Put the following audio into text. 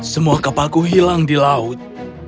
semua kapalku hilang di laut